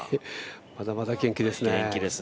まだまだ元気ですね。